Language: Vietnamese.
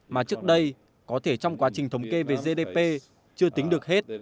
mà trước đây có thể trong quá trình thống kê về gdp chưa tính được hết